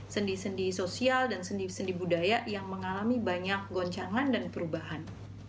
sendi sendi sosial dan sendi sendi budaya yang mengalami banyak goncangan dan perubahan